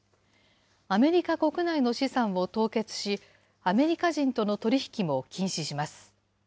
アメリカ国内の資産を凍結し、アメリカ人との取り引きも禁止します。